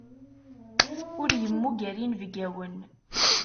Ur yemmuger inebgawen.